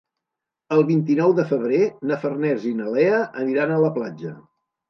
El vint-i-nou de febrer na Farners i na Lea aniran a la platja.